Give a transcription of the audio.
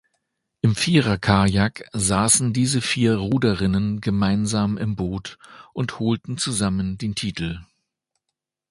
Im Viererkajak saßen diese vier Ruderinnen gemeinsam im Boot und holten zusammen den Titel.